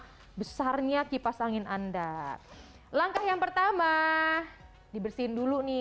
ini ini juga disesuaikan aja sama besarnya kipas angin anda langkah yang pertama dibersihin dulu nih